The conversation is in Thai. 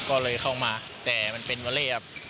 ก็เลยเข้ามาแต่มันเป็นวอเล่ครับ